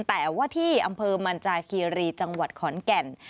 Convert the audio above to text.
แต่ว่าที่อำเภอมันจาคีรีจังหวัดขอนแก่น